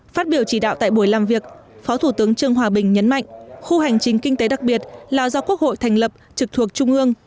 phát biểu chỉ đạo tại buổi làm việc phó thủ tướng trương hòa bình nhấn mạnh khu hành trình kinh tế đặc biệt là do quốc hội thành lập trực thuộc trung ương